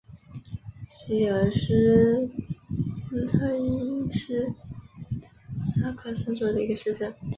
希尔施斯泰因是德国萨克森州的一个市镇。